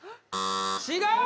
違う！